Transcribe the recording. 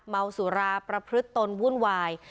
เมาสุราประพฤติตนวุ่นวาย